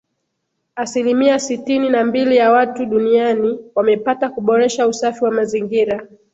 Asilimia sitini na mbili ya watu duniani wamepata kuboresha usafi wa mazingira